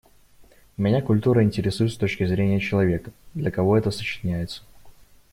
Меня культура интересует с точки зрения человека, для кого это сочиняется.